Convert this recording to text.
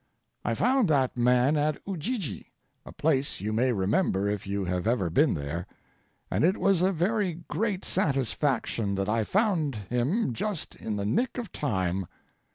I found that man at Ujiji—a place you may remember if you have ever been there—and it was a very great satisfaction that I found him just in the nick of time.